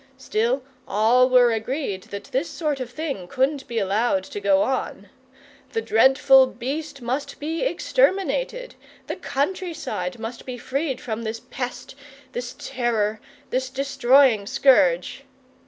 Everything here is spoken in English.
Still, all were agreed that this sort of thing couldn't be allowed to go on. The dreadful beast must be exterminated, the country side must be freed from this pest, this terror, this destroying scourge.